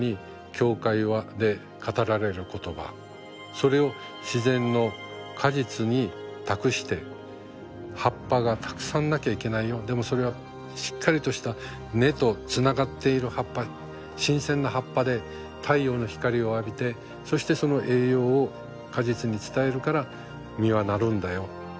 それを自然の果実に託して葉っぱがたくさんなきゃいけないよでもそれはしっかりとした根とつながっている葉っぱ新鮮な葉っぱで太陽の光を浴びてそしてその栄養を果実に伝えるから実はなるんだよ。